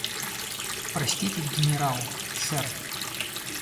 Простите, генерал, сэр.